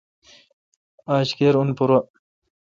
آج کیر اؙن پورہ۔